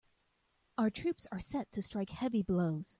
Our troops are set to strike heavy blows.